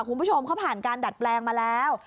คุณผู้ชมเขาผ่านการดัดแปลงมาแล้ว